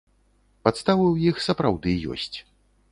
Падставы ў іх, сапраўды, ёсць.